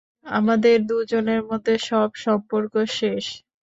আমাদের দুজনের মধ্যে সব সম্পর্ক শেষ।